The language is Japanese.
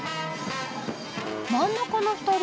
真ん中の２人。